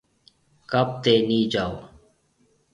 ڪپ تي نِي جائو۔